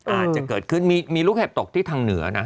อาจจะเกิดขึ้นมีลูกเห็บตกที่ทางเหนือนะ